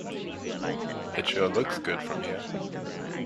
It sure looks good from here.